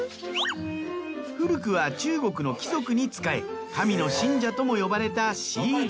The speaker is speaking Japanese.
古くは中国の貴族に仕え神の信者とも呼ばれたシー・ズー。